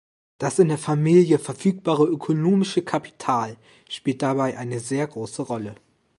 Das in der Familie verfügbare ökonomische Kapital spielt dabei eine sehr große Rolle.